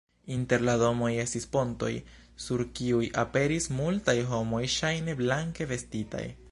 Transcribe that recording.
Inter la domoj estis pontoj, sur kiuj aperis multaj homoj ŝajne blanke vestitaj.